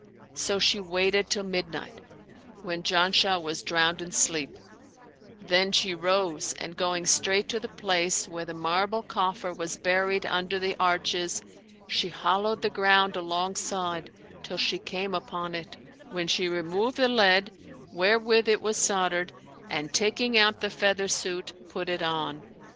So she waited till midnight, when Janshah was drowned in sleep; then she rose and going straight to the place where the marble coffer was buried under the arches she hollowed the ground alongside till she came upon it; when she removed the lead where with it was soldered and, taking out the feather suit, put it on.